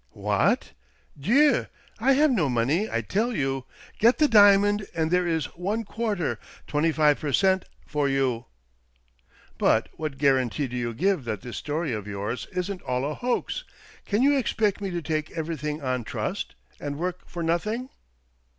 " What ? Dieu !— I have no money, I tell you ! Get the diamond, and there is one quarter — twenty five per cent. — for you !" "But what guarantee do you give that this story of yours isn't all a hoax ? Can you expect me to take everything on trust, and work for nothing?"